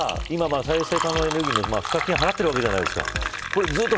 再生可能エネルギーの賦課金を払っているわけですよね。